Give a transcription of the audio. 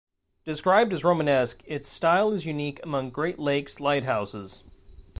Described as Romanesque, its style is unique among Great Lakes lighthouses.